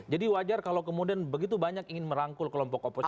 jadi wajar kalau kemudian begitu banyak ingin merangkul kelompok oposisi